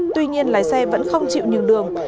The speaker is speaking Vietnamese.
tuy nhiên lái xe vẫn không chịu nhường đường